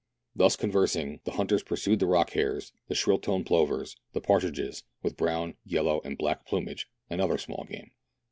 Thus conversing, the hunters pursued the rock hares, the shrill toned plovers, the partridges (with brown, yellow, and black plumage), and other small game.